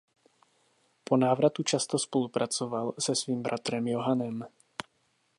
Po návratu často spolupracoval se svým bratrem Johannem.